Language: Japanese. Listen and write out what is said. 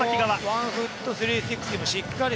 ワンフット３６０もしっかり。